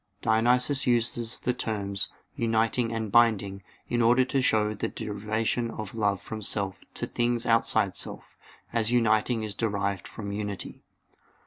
Dionysius used the terms "uniting" and "binding" in order to show the derivation of love from self to things outside self; as uniting is derived from unity.